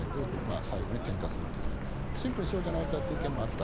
最後に点火するというシンプルにしようじゃないかという意見もあった。